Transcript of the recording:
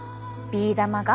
ビー玉が。